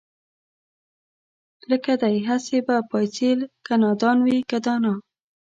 لکه دئ هسې به پاڅي که نادان وي که دانا